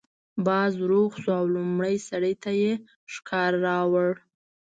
باز روغ شو او لومړي سړي ته یې شکار راوړ.